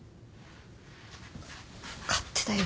勝手だよ